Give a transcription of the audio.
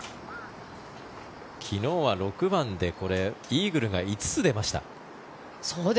昨日は６番でイーグルが５つ出ました。